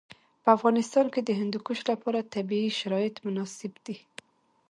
په افغانستان کې د هندوکش لپاره طبیعي شرایط مناسب دي.